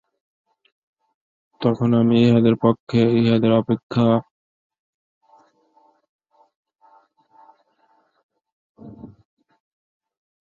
তখন আমি ইহাদের অপেক্ষা উন্নত কিছুই জানিতাম না, এখন আমি বুঝিতেছি।